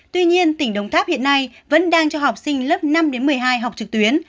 tuy nhiên tỉnh đồng tháp hiện nay vẫn đang cho học sinh lớp năm đến một mươi hai học trực tuyến